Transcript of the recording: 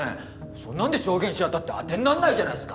そんなんで証言し合ったって当てになんないじゃないっすか！